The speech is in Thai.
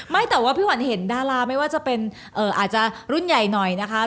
แต่ว่าพี่ขวัญเห็นดาราไม่ว่าจะเป็นอาจจะรุ่นใหญ่หน่อยนะคะ